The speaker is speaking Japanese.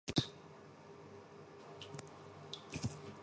リヒテンシュタインの最大都市はシャーンである